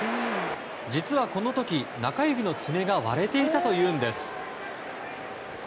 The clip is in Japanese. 実はこの時、中指の爪が割れていたというんです。